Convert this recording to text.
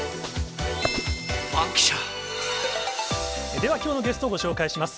では、きょうのゲストをご紹介します。